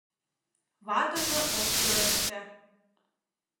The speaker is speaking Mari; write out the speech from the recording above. Ватыже ок пелеште.